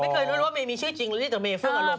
ไม่รู้ว่าเมย์มีชื่อจริงหรือนี่แต่เมเฟื่องอารมณ์